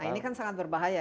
ini kan sangat berbahaya